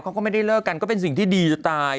เขาก็ไม่ได้เลิกกันก็เป็นสิ่งที่ดีจะตาย